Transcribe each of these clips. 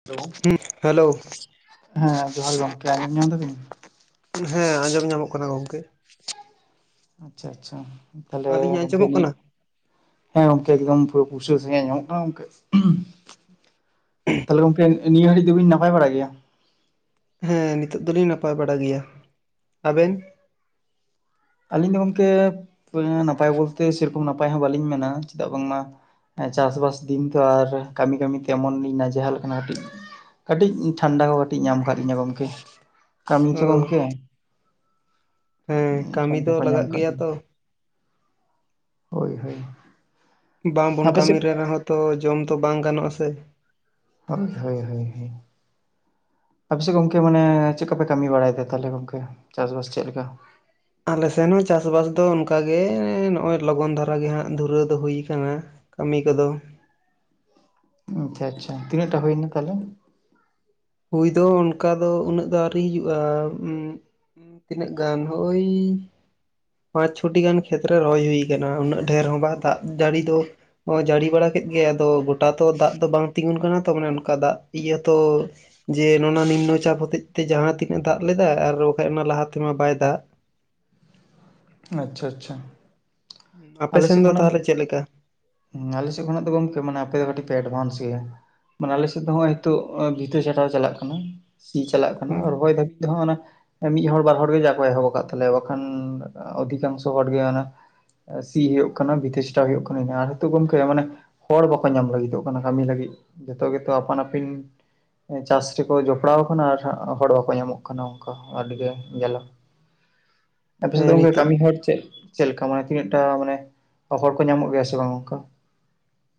[inaudible] ᱦᱩᱸᱜ ᱦᱮᱞᱳ᱾ ᱦᱮᱸ ᱡᱚᱦᱟᱨ ᱜᱚᱢᱠᱮ ᱟᱡᱚᱢ ᱧᱟᱢ ᱫᱟᱵᱤᱱ? ᱦᱮᱸ ᱟᱸᱡᱚᱢ ᱧᱟᱢᱚᱜ ᱠᱟᱱᱟ ᱜᱚᱢᱠᱮ᱾ ᱟᱪᱪᱷᱟ ᱟᱪᱪᱷᱟ ᱛᱟᱦᱞᱮ ᱟᱹᱞᱤᱧᱟᱜ ᱜᱳᱢᱠᱮ ᱟᱸᱡᱚᱢᱚᱜ ᱠᱟᱱᱟ ᱤᱧᱟᱹᱜ ᱦᱮᱸ ᱜᱚᱢᱠᱮ ᱮᱠᱫᱚᱢ ᱯᱩᱨᱟᱹ ᱯᱩᱥᱴᱟᱹᱣ ᱥᱟᱦᱤᱡ ᱟᱡᱚᱢᱚᱜ ᱠᱟᱱᱟ ᱜᱚᱢᱠᱮ᱾ ᱛᱟᱦᱞᱮ ᱜᱚᱝᱠᱮ ᱱᱤᱭᱟᱹ ᱜᱷᱟᱹᱲᱤᱡ ᱫᱚᱵᱤᱱ ᱱᱟᱯᱟᱭ ᱵᱟᱲᱟ ᱜᱮᱭᱟ? ᱦᱮᱸ ᱱᱤᱛᱚᱜ ᱫᱚᱞᱤᱧ ᱱᱟᱯᱟᱭ ᱵᱟᱲᱟ ᱜᱮᱭᱟ᱾ ᱟᱵᱮᱱ? ᱟᱹᱞᱤᱧ ᱫᱚ ᱜᱚᱢᱠᱮ ᱱᱟᱯᱟᱭ ᱵᱚᱞᱛᱮ ᱥᱮᱨᱚᱠᱚᱢ ᱱᱟᱯᱟᱭ ᱦᱚᱸ ᱵᱟᱹᱞᱤᱧ ᱢᱮᱱᱟ ᱪᱮᱫᱟᱜ ᱵᱟᱝᱢᱟ ᱪᱟᱥᱵᱟᱥ ᱫᱤᱱ ᱛᱚ ᱟᱨ ᱠᱟᱹᱢᱤ ᱠᱟᱹᱢᱤᱛᱮ ᱮᱢᱚᱱ ᱞᱤᱧ ᱱᱟᱡᱷᱟᱞ ᱟᱠᱟᱱᱟ ᱠᱟᱹᱴᱤᱡ ᱠᱟᱹᱴᱤᱡ ᱴᱷᱟᱱᱰᱟ ᱠᱚ ᱠᱟᱹᱴᱤᱡ ᱧᱟᱢ ᱟᱠᱟᱫ ᱞᱤᱧᱟ ᱜᱚᱢᱠᱮ᱾ ᱠᱟᱹᱢᱤ ᱚ ᱛᱚ ᱜᱚᱢᱠᱮ, ᱦᱮᱸ ᱠᱟᱹᱢᱤ ᱚᱱᱟ ᱫᱚ ᱠᱚ ᱧᱟᱢ ᱞᱟᱜᱟᱜ ᱠᱟᱜ ᱜᱮᱭᱟ ᱛᱚ ᱵᱤᱱᱟ? ᱦᱳᱭ ᱦᱳᱭ᱾ ᱵᱟᱝᱵᱚᱱ ᱟᱯᱮ ᱠᱟᱹᱢᱤ ᱥᱮᱫ ᱨᱮ ᱨᱮᱦᱚᱸ ᱛᱚ ᱡᱚᱢ ᱫᱚ ᱵᱟᱝ ᱜᱟᱱᱚᱜᱼᱟ ᱥᱮ᱾ ᱦᱳᱭ ᱦᱳᱭ ᱦᱳᱭ ᱟᱯᱮ ᱥᱮᱫ ᱜᱚᱝᱠᱮ ᱢᱟᱱᱮ ᱪᱮᱫ ᱠᱚ ᱯᱮ ᱠᱟᱹᱢᱤ ᱵᱟᱲᱟᱭᱮᱫᱟ ᱛᱟᱦᱚᱞᱮ ᱜᱚᱝᱠᱮ ᱪᱟᱥ ᱵᱟᱥ ᱪᱮᱫ ᱞᱮᱠᱟ? ᱟᱞᱮ ᱥᱮᱱ ᱦᱚᱸ ᱪᱟᱥᱵᱟᱥ ᱫᱚ ᱚᱱᱠᱟᱜᱮ ᱱᱚᱜᱼᱚᱭ ᱞᱚᱜᱚᱱ ᱫᱷᱟᱨᱟ ᱜᱮ ᱦᱟᱸᱜ ᱫᱷᱩᱨᱟᱹᱣ ᱫᱚ ᱦᱩᱭ ᱟᱠᱟᱱᱟ ᱾ ᱠᱟᱹᱢᱤ ᱠᱚᱫᱚ᱾ ᱟᱪᱪᱷᱟ ᱟᱪᱪᱷᱟ ᱛᱤᱱᱟᱹᱜ ᱴᱟ ᱦᱩᱭᱱᱟ ᱛᱟᱦᱟᱞᱮ? ᱦᱩᱭ ᱫᱚ ᱚᱱᱠᱟ ᱫᱚ ᱩᱱᱟᱹᱜ ᱫᱚ ᱟᱹᱣᱨᱤ ᱦᱩᱭᱩᱜ-ᱟ ᱾ ᱛᱤᱱᱟᱹᱜ ᱜᱟᱱ ᱦᱳᱭᱻ ᱯᱟᱸᱪ ᱪᱷᱚᱴᱤ ᱜᱟᱱ ᱠᱷᱮᱛ ᱨᱮ ᱨᱚᱦᱚᱭ ᱦᱩᱭ ᱠᱟᱱᱟ ᱩᱱᱟᱹᱜ ᱰᱷᱮᱨ ᱦᱚᱸ ᱵᱟᱝ ᱫᱟᱜ ᱡᱟᱹᱲᱤ ᱫᱚ ᱼᱼ ᱡᱟᱹᱲᱤ ᱵᱟᱲᱟ ᱠᱮᱫ ᱜᱮᱭᱟ ᱟᱫᱚ ᱜᱚᱴᱟ ᱛᱚ ᱫᱟᱜ ᱫᱚ ᱵᱟᱝ ᱛᱤᱸᱜᱩᱱ ᱠᱟᱱᱟ ᱛᱚ ᱢᱟᱱᱮ ᱚᱱᱠᱟ ᱫᱟᱜ ᱤᱭᱟᱹ ᱛᱚᱻ ᱡᱮ ᱱᱚᱣᱟ ᱱᱤᱢᱱᱚ ᱪᱟᱯ ᱦᱚᱛᱮᱡ ᱛᱮ ᱡᱟᱦᱟᱸ ᱛᱤᱱᱟᱹᱜ ᱮ ᱫᱟᱜ ᱞᱮᱫᱟ ᱟᱨ ᱵᱟᱠᱷᱟᱡ ᱚᱱᱟ ᱞᱟᱦᱟ ᱛᱮᱢᱟ ᱵᱟᱭ ᱫᱟᱜ ᱾ ᱟᱪᱪᱷᱟ ᱟᱪᱪᱷᱟ ᱾ ᱟᱯᱮ ᱥᱮᱱ ᱫᱚ ᱛᱟᱦᱚᱞᱮ ᱪᱮᱫ ᱞᱮᱠᱟ? ᱟᱞᱮ ᱥᱮᱫ ᱠᱷᱚᱱᱟᱜ ᱫᱚ ᱜᱚᱢᱠᱮ ᱢᱟᱱᱮ ᱟᱯᱮ ᱠᱟᱹᱴᱤᱡ ᱯᱮ ᱮᱰᱵᱷᱟᱱᱥ ᱜᱮᱭᱟ ᱾ ᱢᱟᱱᱮ ᱟᱞᱮ ᱥᱮᱫ ᱫᱚ ᱦᱚᱸᱜᱼᱚᱭ ᱦᱤᱛᱳᱜ ᱵᱷᱤᱛᱟᱹ ᱪᱷᱟᱴᱟᱣ ᱪᱟᱞᱟᱜ ᱠᱟᱱᱟ ᱾ ᱥᱤ ᱪᱟᱞᱟᱜ ᱠᱟᱱᱟ ᱨᱚᱦᱚᱭ ᱫᱷᱟᱹᱵᱤᱡ ᱛᱮᱦᱚ ᱚᱱᱮ ᱢᱤᱫ ᱦᱚᱲ ᱵᱟᱨ ᱦᱚᱲ ᱜᱮ ᱡᱟ ᱠᱚ ᱮᱦᱚᱵ ᱟᱠᱟᱫ ᱛᱟᱞᱮᱭᱟ ᱵᱟᱠᱷᱟᱱ ᱼᱼ ᱚᱫᱷᱤᱠᱟᱝᱥᱚ ᱦᱚᱲᱜᱮ ᱚᱱᱟ ᱥᱤ ᱦᱩᱭᱩᱜ ᱠᱟᱱᱟ ᱵᱷᱤᱛᱟᱹ ᱪᱷᱟᱴᱟᱣ ᱦᱩᱭᱩᱜ ᱠᱟᱱᱟ ᱟᱨᱦᱚ ᱛᱚ ᱜᱚᱝᱠᱮ ᱢᱟᱱᱮᱼᱼ ᱦᱚᱲ ᱵᱟᱠᱚ ᱧᱟᱢ ᱞᱟᱹᱜᱤᱫᱚᱜ ᱠᱟᱱᱟ ᱠᱟᱹᱢᱤ ᱞᱟᱹᱜᱤᱫ ᱡᱚᱛᱚ ᱜᱮᱛᱚ ᱟᱯᱟᱱ ᱟᱹᱯᱤᱱ ᱼᱼ ᱪᱟᱥ ᱨᱮᱠᱚ ᱡᱚᱯᱲᱟᱣ ᱟᱠᱟᱱᱟ ᱟᱨ ᱦᱚᱲ ᱵᱟᱠᱚ ᱧᱟᱢᱚᱜ ᱠᱟᱱᱟ ᱚᱱᱠᱟ ᱟᱹᱰᱤ ᱜᱮ ᱡᱟᱞᱟ ᱾ ᱟᱯᱮ ᱦᱮᱸ ᱥᱮᱫ ᱜᱚᱢᱠᱮ ᱱᱤᱛᱚᱜ ᱠᱟᱹᱢᱤ ᱦᱚᱲ ᱪᱮᱫ ᱪᱮᱫ ᱞᱮᱠᱟ ᱢᱟᱱᱮ ᱛᱤᱱᱟᱹᱜ ᱴᱟ ᱢᱟᱱᱮ ᱦᱚᱲ ᱠᱚ ᱧᱟᱢᱚᱜ ᱜᱮᱭᱟ ᱥᱮ ᱵᱟᱝ ᱚᱱᱠᱟ?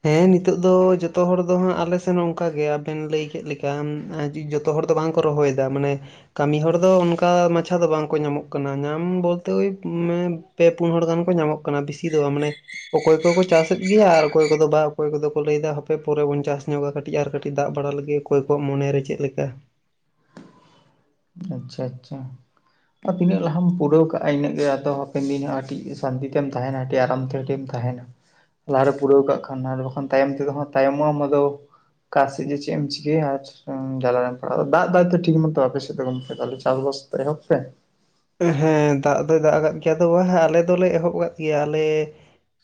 ᱦᱮᱸ ᱱᱤᱛᱚᱜ ᱫᱚ ᱡᱚᱛᱚ ᱦᱚᱲ ᱫᱚ ᱦᱟᱸᱜ ᱟᱞᱮ ᱥᱮᱱ ᱚᱱᱠᱟ ᱜᱮ ᱟᱵᱮᱱ ᱞᱟᱹᱭ ᱠᱮᱫ ᱞᱮᱠᱟ ᱾ ᱡᱚᱛᱚ ᱦᱚᱲ ᱫᱚ ᱵᱟᱝ ᱠᱚ ᱨᱚᱦᱚᱭᱮᱫᱟ ᱢᱟᱱᱮ ᱼᱼ ᱠᱟᱹᱢᱤ ᱦᱚᱲ ᱫᱚ ᱚᱱᱠᱟ ᱢᱟᱪᱷᱟ ᱫᱚ ᱵᱟᱝ ᱠᱚ ᱧᱟᱢᱚᱜ ᱠᱟᱱᱟ ᱾ ᱧᱟᱢ ᱵᱚᱞᱛᱮ ᱳᱭ ᱯᱮ ᱯᱩᱱ ᱦᱚᱲ ᱜᱟᱱ ᱠᱚ ᱧᱟᱢᱚᱜ ᱠᱟᱱᱟ ᱾ ᱠᱟᱱᱟ ᱵᱮᱥᱤ ᱫᱚ ᱢᱟᱱᱮ ᱚᱠᱚᱭ ᱠᱚᱠᱚ ᱪᱟᱥᱮᱫ ᱜᱮᱭᱟ ᱟᱨ ᱼᱼ ᱚᱠᱚᱭ ᱠᱚᱫᱚ ᱵᱟ ᱚᱠᱚᱭ ᱠᱚᱫᱚ ᱠᱚ ᱞᱟᱹᱭ ᱫᱟ ᱦᱟᱯᱮ ᱯᱚᱨᱮ ᱵᱚᱱ ᱪᱟᱥ ᱧᱚᱜᱟ ᱠᱟᱹᱴᱤᱡ ᱟᱨ ᱠᱟᱹᱴᱤᱡ ᱫᱟᱜ ᱵᱟᱲᱟ ᱞᱮᱜᱤ ᱚᱠᱚᱭ ᱠᱚᱣᱟᱜ ᱢᱚᱱᱮᱨᱮ ᱪᱮᱫ ᱞᱮᱠᱟ ᱾ ᱟᱪᱪᱷᱟ ᱟᱪᱪᱷᱟ ᱟᱨ ᱛᱤᱱᱟᱹᱜ ᱞᱟᱦᱟᱢ ᱯᱩᱨᱟᱹᱣ ᱠᱟᱜ-ᱟ ᱤᱱᱟᱹᱜ ᱜᱮ ᱟᱫᱚ ᱦᱟᱯᱮᱱ ᱫᱤᱱ ᱠᱟᱴᱤᱡ ᱥᱟᱱᱛᱤ ᱛᱮᱢ ᱛᱟᱦᱮᱱᱟ ᱟᱨᱟᱢ ᱛᱮᱢ ᱛᱟᱦᱮᱱᱟ ᱾ ᱛᱟᱦᱮᱱᱟ ᱞᱟᱦᱟᱨᱮ ᱯᱩᱨᱟᱹᱣ ᱠᱟᱜ ᱠᱷᱟᱱ ᱟᱨ ᱵᱟᱠᱷᱟᱱ ᱛᱟᱭᱚᱢ ᱛᱮᱫᱚ ᱦᱟᱸᱜ ᱛᱟᱭᱚᱢᱚᱜ ᱟᱢ ᱟᱫᱚ ᱾ ᱚᱠᱟ ᱥᱮᱫ ᱡᱮ ᱪᱮᱫ ᱮᱢ ᱪᱤᱠᱟᱹᱭᱟ ᱟᱨ ᱡᱟᱞᱟ ᱨᱮᱢ ᱯᱟᱲᱟᱜ-ᱟ, ᱫᱟᱜ ᱫᱟᱭ ᱛᱚ ᱴᱷᱤᱠ ᱢᱚᱛᱚ ᱟᱯᱮ ᱥᱮᱫ ᱫᱚ ᱜᱚᱢ ᱼᱼ ᱛᱟᱦᱞᱮ ᱪᱟᱥᱵᱟᱥ ᱛᱮ ᱮᱦᱚᱵ ᱯᱮ ᱾ ᱦᱮᱸ ᱫᱟᱜ ᱫᱚᱭ ᱫᱟᱜ ᱟᱠᱟᱜ ᱜᱮᱭᱟ ᱾ ᱟᱫᱚ ᱵᱟᱝ ᱟᱞᱮ ᱫᱚᱞᱮ ᱮᱦᱚᱵ ᱟᱠᱟᱫ ᱜᱮᱭᱟ ᱟᱞᱮ ᱼᱼ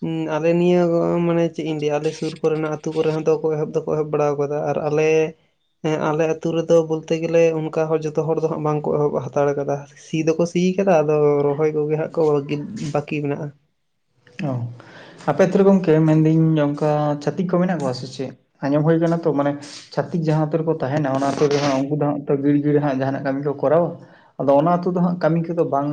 ᱦᱩᱸ ᱟᱞᱮ ᱱᱤᱭᱟᱹ ᱠᱚ ᱢᱟᱱᱮ ᱪᱮᱫ ᱤᱧ ᱞᱟᱹᱭᱟ ᱟᱞᱮ ᱥᱩᱨ ᱠᱚ ᱨᱮᱱᱟᱜ ᱟᱛᱳ ᱠᱚᱨᱮ ᱦᱚᱸ ᱫᱚᱠᱚ ᱮᱦᱚᱵ ᱫᱚᱼᱼ ᱠᱚ ᱮᱦᱚᱵ ᱵᱟᱲᱟ ᱟᱠᱟᱫᱟ ᱟᱨ ᱟᱞᱮ ᱼᱼ ᱦᱮᱸ ᱟᱞᱮ ᱟᱛᱳ ᱨᱮᱫᱚ ᱵᱚᱞᱛᱮ ᱜᱮᱞᱮ ᱚᱱᱠᱟ ᱡᱷᱚᱛᱚ ᱦᱚᱲ ᱫᱚ ᱦᱟᱸᱜ ᱵᱟᱝ ᱠᱚ ᱮᱦᱚᱵ ᱦᱟᱛᱟᱲ ᱠᱟᱫᱟ ᱾ ᱥᱤ ᱫᱚᱠᱚ ᱥᱤᱭ ᱠᱟᱫᱟ ᱟᱫᱚ ᱨᱚᱦᱚᱭ ᱠᱚᱜᱮ ᱦᱟᱸᱜ ᱠᱚ ᱵᱟᱹᱠᱤ ᱢᱮᱱᱟᱜ-ᱟ ᱾ ᱚᱸᱦ ᱟᱯᱮ ᱟᱛᱳ ᱨᱮ ᱜᱚᱢᱠᱮ ᱢᱮᱱᱫᱟᱹᱧ ᱚᱱᱠᱟ ᱪᱷᱟᱹᱛᱤᱠ ᱠᱚ ᱢᱮᱱᱟᱜ ᱠᱚᱣᱟ ᱥᱮ ᱪᱮᱫ? ᱟᱸᱡᱚᱢ ᱦᱩᱭ ᱠᱟᱱᱟ ᱛᱚ ᱢᱟᱱᱮ ᱼᱼ ᱪᱷᱟᱹᱛᱤᱠ ᱡᱟᱦᱟᱸ ᱟᱛᱳ ᱨᱮᱠᱚ ᱛᱟᱦᱮᱱᱟ ᱚᱱᱟ ᱟᱛᱳ ᱨᱮᱦᱚᱸ ᱩᱱᱠᱩ ᱫᱚ ᱦᱟᱸᱜ ᱜᱷᱤᱲ ᱜᱷᱤᱲ ᱦᱟᱸᱜ ᱡᱟᱦᱟᱱᱟᱜ ᱠᱟᱹᱢᱤ ᱠᱚᱨᱟᱣᱟ ᱾ ᱟᱫᱚ ᱚᱱᱟ ᱟᱹᱛᱩ ᱫᱚ ᱦᱟᱸᱜ ᱠᱟᱹᱢᱤ ᱠᱚᱫᱚ ᱵᱟᱝ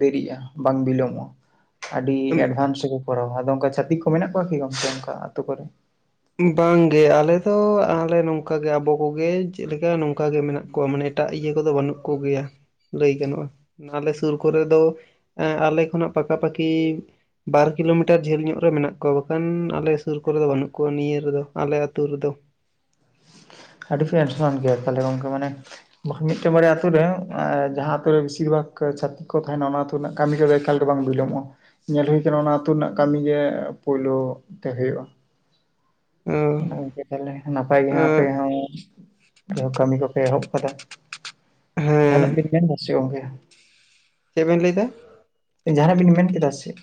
ᱰᱮᱨᱤᱜ-ᱟ ᱵᱟᱝ ᱵᱤᱞᱚᱢᱚᱜᱼᱟ ᱾ ᱟᱹᱰᱤ ᱮᱰᱵᱷᱟᱱᱥ ᱨᱮᱠᱚ ᱠᱚᱨᱟᱣᱟ, ᱟᱫᱚ ᱚᱱᱠᱟ ᱪᱷᱟᱛᱤᱠ ᱠᱚ ᱢᱮᱱᱟᱜ ᱠᱚᱣᱟ ᱠᱤ ᱜᱚᱢᱠᱮ ᱚᱱᱠᱟ ᱟᱛᱳ ᱠᱚᱨᱮ? ᱵᱟᱝ ᱜᱮ ᱟᱞᱮ ᱫᱚ ᱟᱞᱮ ᱱᱚᱝᱠᱟ ᱜᱮ ᱟᱵᱚ ᱠᱚᱜᱮ ᱪᱮᱫ ᱞᱮᱠᱟ ᱱᱚᱝᱠᱟ ᱜᱮ ᱢᱮᱱᱟᱜ ᱠᱚᱣᱟ ᱢᱟᱱᱮ ᱼᱼ ᱮᱴᱟᱜ ᱤᱭᱟᱹ ᱠᱚᱫᱚ ᱵᱟᱹᱱᱩᱜ ᱠᱚ ᱜᱮᱭᱟ ᱾ ᱞᱟᱹᱭ ᱜᱟᱱᱚᱜ-ᱟ ᱟᱞᱮ ᱥᱩᱨ ᱠᱚᱨᱮ ᱫᱚ ᱼᱼ ᱟᱞᱮ ᱠᱷᱚᱱᱟᱜ ᱯᱟᱠᱟ ᱯᱟᱠᱤ ᱼᱼ ᱵᱟᱨ ᱠᱤᱞᱳᱢᱤᱴᱟᱨ ᱡᱷᱟᱹᱞ ᱧᱚᱜ ᱨᱮ ᱢᱮᱱᱟᱜ ᱠᱚᱣᱟ ᱵᱟᱠᱷᱟᱱ ᱟᱞᱮ ᱥᱩᱨ ᱠᱚᱨᱮ ᱫᱚ ᱵᱟᱹᱱᱩᱜ ᱼᱼ ᱠᱚ ᱱᱤᱭᱟᱹ ᱨᱮᱫᱚ ᱟᱞᱮ ᱟᱹᱛᱩ ᱨᱮᱫᱚ ᱾ ᱟᱹᱰᱤ ᱯᱮ ᱮᱰᱵᱷᱟᱱᱥ ᱜᱮᱭᱟ ᱛᱟᱦᱚᱞᱮ ᱜᱚᱢᱠᱮ ᱢᱟᱱᱮ ᱼᱼ ᱵᱟᱠᱷᱟᱱ ᱢᱤᱫᱴᱮᱱ ᱵᱟᱨᱭᱟ ᱟᱛᱳ ᱨᱮ ᱡᱟᱦᱟᱸ ᱟᱛᱩ ᱨᱮ ᱵᱤᱥᱤᱨ ᱵᱷᱟᱜᱽ ᱪᱷᱟᱛᱤᱠᱼᱼ ᱠᱚ ᱛᱟᱦᱮᱱᱟ ᱚᱱᱟ ᱨᱮᱱᱟᱜ ᱠᱟᱹᱢᱤ ᱠᱚᱫᱚ ᱮᱠᱟᱞ ᱫᱚ ᱵᱟᱝ ᱵᱤᱞᱚᱢᱚᱜ-ᱟ ᱾ ᱧᱮᱞ ᱦᱩᱭ ᱠᱟᱱᱟ ᱚᱱᱟ ᱟᱹᱛᱩ ᱨᱮᱱᱟᱜ ᱠᱟᱹᱢᱤ ᱜᱮ ᱯᱳᱭᱞᱳ ᱛᱮ ᱦᱳᱭᱳᱜ-ᱟ ᱾ ᱚ ᱚᱱᱟ ᱜᱚᱢᱠᱮ ᱛᱟᱦᱚᱞᱮ ᱱᱟᱯᱟᱭ ᱜᱮ ᱚ ᱟᱯᱮ ᱦᱚᱸ ᱠᱟᱹᱢᱤ ᱠᱚᱯᱮ ᱮᱦᱚᱵ ᱠᱟᱫᱟ ᱾ ᱡᱟᱦᱟᱱᱟᱜ ᱦᱮᱸ ᱵᱤᱱ ᱢᱮᱱᱫᱟ ᱥᱮ ᱜᱚᱢᱠᱮ? ᱪᱮᱫ ᱵᱮᱱ ᱞᱟᱹᱭ ᱫᱟ? ᱡᱟᱦᱟᱱᱟᱜ ᱵᱮᱱ ᱢᱮᱱ ᱠᱮᱫᱟ ᱥᱮ?